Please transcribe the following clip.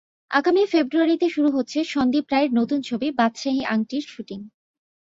আগামী ফেব্রুয়ারিতে শুরু হচ্ছে সন্দীপ রায়ের নতুন ছবি বাদশাহি আংটির শুটিং।